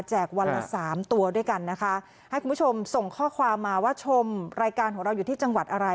วันละสามตัวด้วยกันนะคะให้คุณผู้ชมส่งข้อความมาว่าชมรายการของเราอยู่ที่จังหวัดอะไร